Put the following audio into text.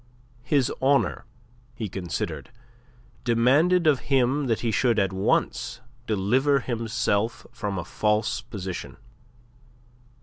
His honour, he considered, demanded of him that he should at once deliver himself from a false position.